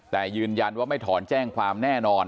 แต่ยืนยันว่าไม่ถอนแจ้งความแน่นอน